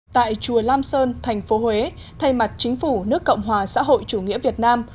tại chùa lam sơn tp huế thay mặt chính phủ nước cộng hòa xã hội chủ nghĩa việt nam